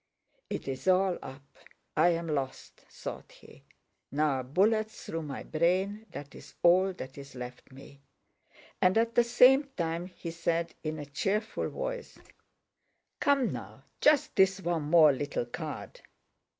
"It's all up! I'm lost!" thought he. "Now a bullet through my brain—that's all that's left me!" And at the same time he said in a cheerful voice: "Come now, just this one more little card!"